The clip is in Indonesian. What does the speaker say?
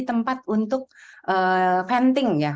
jadi tempat untuk venting ya